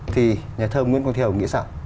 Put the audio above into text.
thì nhà thơ nguyễn quang thiều nghĩ sao